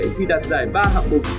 khi đặt giải ba hạng mục